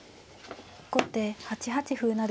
後手８八歩成。